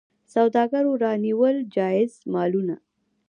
سوداګرو رانیول جایز مالونه.